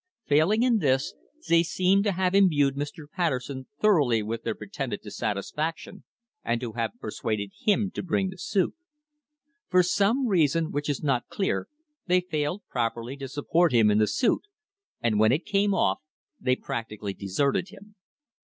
Failing in this, they seem to have imbued Mr. Patterson thoroughly with their pre tended dissatisfaction and to have persuaded him to bring the suit. For some reason which is not clear they failed prop erly to support him in the suit, and when it came off they prac tically deserted him.